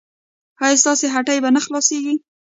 ایا ستاسو هټۍ به نه خلاصیږي؟